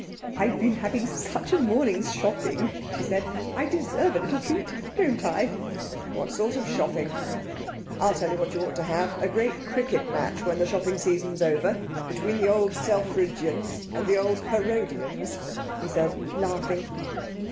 'I've been having such a morning's shopping,' she said, 'I deserve a little treat afterwards, don't I?' 'What sort of shopping? I'll tell you what you ought to have a great cricket match when the shopping season's over, between the Old Selfridgians, and the Old Harrodians,' he said, laughing.